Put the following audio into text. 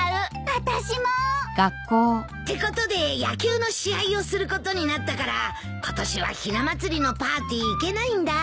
あたしも！ってことで野球の試合をすることになったから今年はひな祭りのパーティー行けないんだ。